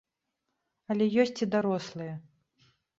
Але ёсць і дарослыя.